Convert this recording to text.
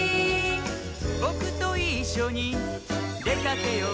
「ぼくといっしょにでかけよう」